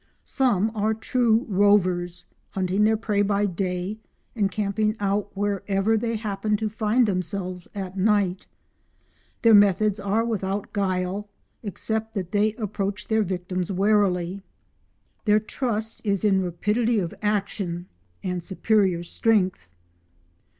Some are true rovers, hunting their prey by day and camping out wherever they happen to find themselves at night. Their methods are without guile—except that they approach their victims warily; their trust is in rapidity of action and superior strength.